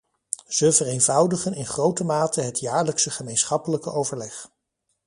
Ze vereenvoudigen in grote mate het jaarlijkse gemeenschappelijke overleg.